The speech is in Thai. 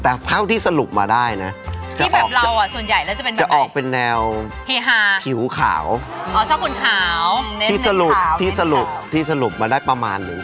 แต่เท่าที่สรุปมาได้นะจะออกเป็นแนวผิวขาวที่สรุปมาได้ประมาณนึง